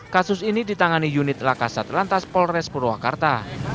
kasus ini ditangani unit lakasat lantas polres purwakarta